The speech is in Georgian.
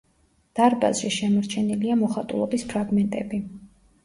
დარბაზში შემორჩენილია მოხატულობის ფრაგმენტები.